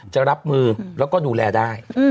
จะรับมือแล้วก็ดูแลได้